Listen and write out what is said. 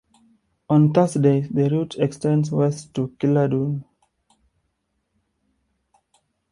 On Thursdays the route extends west to Killadoon.